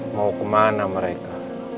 mau kemana mereka